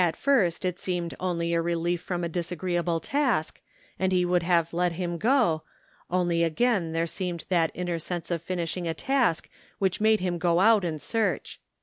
At first it seemed only a relief from a disagreeable task, and he would have let him go, only again there seemed that inner sense of finishing a task which made him go out and search.